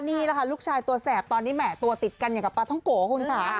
นี่แหละค่ะลูกชายตัวแสบตอนนี้แหม่ตัวติดกันอย่างกับปลาท้องโกะคุณค่ะ